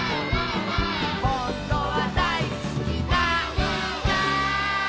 「ほんとはだいすきなんだ」